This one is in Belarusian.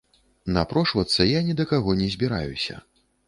Напрошвацца я ні да каго не збіраюся.